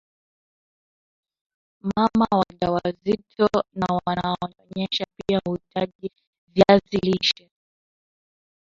mama wajawazito na wanaonyonyesha pia huhitaji viazi lishe